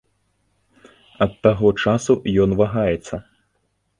Ад таго часу ён вагаецца.